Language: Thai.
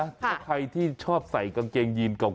แล้วใครที่ชอบใส่กางเกงยีนเก่า